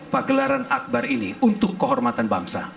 pagelaran akbar ini untuk kehormatan bangsa